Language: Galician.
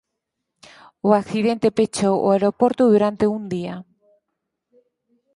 O accidente pechou o aeroporto durante un día.